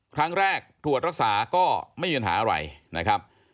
ครั้งแรกตรวจรักษาก็ไม่มีปัญหาอะไรนะครับ